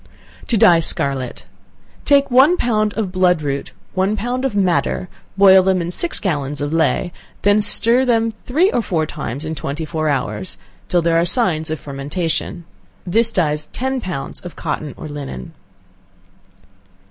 To Dye Scarlet. Take one pound of blood root, and one pound of madder, boil them in six gallons of ley, then stir them three or four times in twenty four hours, till there are signs of fermentation. This dyes ten pounds of cotton or linen.